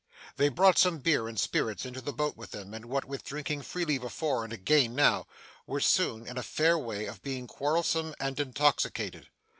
They brought some beer and spirits into the boat with them, and what with drinking freely before, and again now, were soon in a fair way of being quarrelsome and intoxicated.